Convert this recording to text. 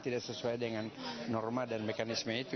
dengan norma dan mekanisme itu